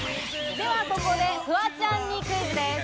ではここで、フワちゃんにクイズです。